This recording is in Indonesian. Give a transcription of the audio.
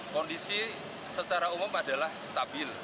kondisi secara umum adalah stabil